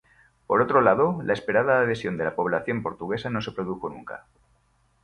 Por otro lado, la esperada adhesión de la población portuguesa no se produjo nunca.